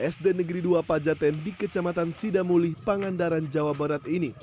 sd negeri dua pajaten di kecamatan sidamulih pangandaran jawa barat ini